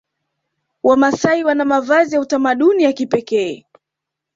Wamasai Wana mavazi ya utamaduni ya kipekee